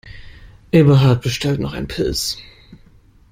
Eberhard bestellt noch ein Pils.